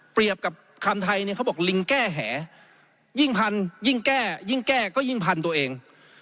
กับคำไทยเนี่ยเขาบอกลิงแก้แหยิ่งพันยิ่งแก้ยิ่งแก้ก็ยิ่งพันตัวเอง